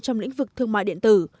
trong lĩnh vực thương mại điện tử